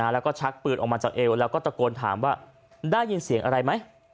แล้วก็ชักปืนออกมาจากเอวแล้วก็ตะโกนถามว่าได้ยินเสียงอะไรไหม